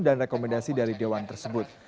dan rekomendasi dari dewan tersebut